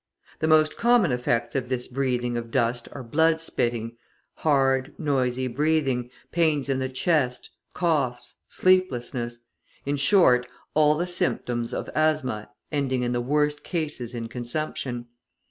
The most common effects of this breathing of dust are blood spitting, hard, noisy breathing, pains in the chest, coughs, sleeplessness in short, all the symptoms of asthma ending in the worst cases in consumption.